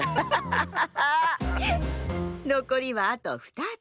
のこりはあと２つ。